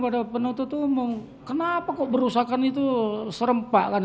ada penutup itu kenapa kok berusakan itu serempak kan gitu